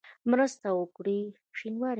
مرسته وکړي.